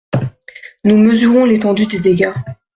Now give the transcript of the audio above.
Nous mesurons l’étendue des dégâts.